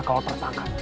pokoknya kau tertangkap